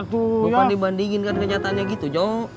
bukan dibandingin kan kenyataannya gitu jo